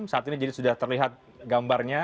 saat ini jadi sudah terlihat gambarnya